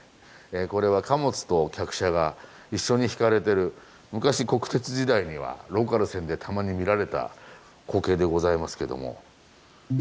これは貨物と客車が一緒に引かれてる昔国鉄時代にはローカル線でたまに見られた光景でございますけども。